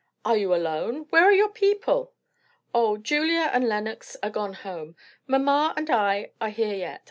"Are you alone? Where are your people?" "O, Julia and Lenox are gone home. Mamma and I are here yet.